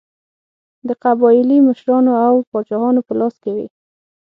د قبایلي مشرانو او پاچاهانو په لاس کې وې.